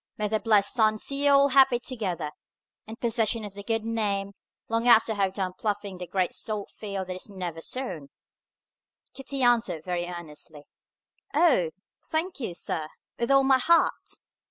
May the blessed sun see you all happy together, in possession of the good name, long after I have done ploughing the great salt field that is never sown!" Kitty answered very earnestly, "O! Thank you, sir, with all my heart!"